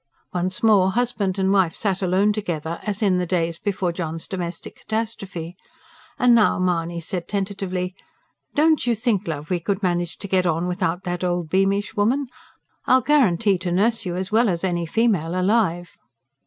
Once more husband and wife sat alone together, as in the days before John's domestic catastrophe. And now Mahony said tentatively: "Don't you think, love, we could manage to get on without that old Beamish woman? I'll guarantee to nurse you as well as any female alive."